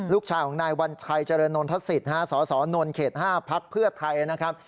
ลูกชายของนายวัญชัยเจริญนทศิษฐ์สสน๕พไทยนะครับ